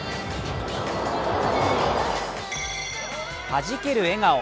はじける笑顔。